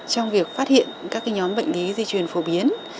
trong việc phát hiện các nhóm bệnh lý di truyền phổ biến